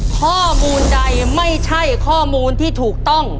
ข้อมูลใดไม่ใช่ข้อมูลที่ถูกต้อง